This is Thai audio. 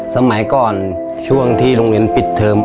สมัยก่อนช่วงที่โรงเรียนปิดเทอม